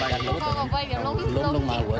มันหลงออกไปเดี๋ยวล้มจิบ